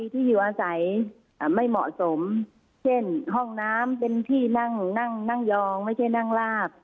ที่อยู่อาศัยไม่เหมาะสมเช่นห้องน้ำเป็นที่นั่งนั่งยองไม่ใช่นั่งลาบ